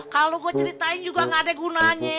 kalau gue ceritain juga gak ada gunanya